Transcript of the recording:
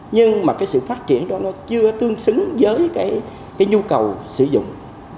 nhưng mà cái sự phát triển đó nó chưa tương xứng với cái nhu cầu sử dụng